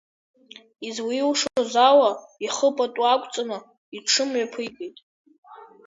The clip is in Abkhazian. Излаилшоз ала ихы пату ақәҵаны иҽымҩаԥигеит.